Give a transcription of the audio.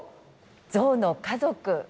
ゾウの家族。